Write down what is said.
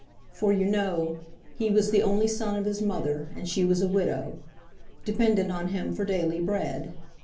For, you know, "he was the only son of his mother, and she was a widow;" dependent on him for daily bread.